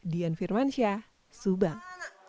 dian firmansyah subang